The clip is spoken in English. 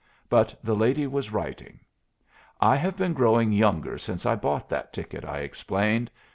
But the lady was writing. "I have been growing younger since I bought that ticket," I explained.